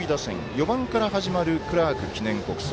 ４番から始まるクラーク記念国際。